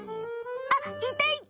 あっいたいた！